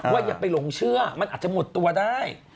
อย่าไปหลงเชื่อมันอาจจะหมดตัวได้